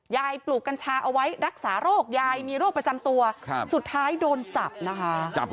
ปลูกกัญชาเอาไว้รักษาโรคยายมีโรคประจำตัวสุดท้ายโดนจับนะคะ